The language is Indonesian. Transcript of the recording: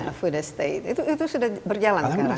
nah food estate itu sudah berjalan sekarang